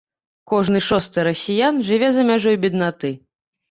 Кожны шосты расіян жыве за мяжой беднаты.